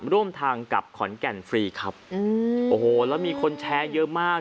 ร่วมทางกับขอนแก่นฟรีครับอืมโอ้โหแล้วมีคนแชร์เยอะมาก